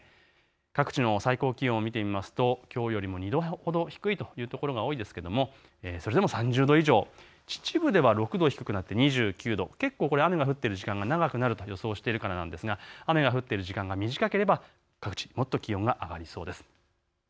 各地の最高気温を見てみますときょうよりも２度ほど低いという所が多いですが、それでも３０度以上、秩父では６度低くなって２９度、結構、雨が降っている時間が長くなると予想しているからなんですが雨が降っている時間が短ければ各地気温が上がりそうです。